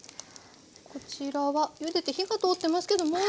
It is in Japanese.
こちらはゆでて火が通ってますけどもう一度。